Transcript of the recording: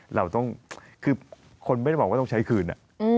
เราต้องคือคนไม่ได้บอกว่าต้องใช้คืน